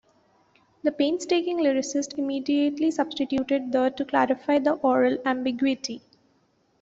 ' The painstaking lyricist immediately substituted "the" to clarify the aural ambiguity.